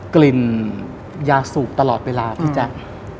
กลิ่นยาสูบตลอดเวลาพี่แจ๊ค